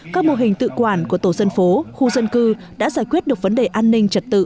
các mô hình tự quản của tổ dân phố khu dân cư đã giải quyết được vấn đề an ninh trật tự